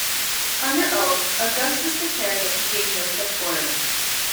Under oath, Augustus declared that he gave no such order.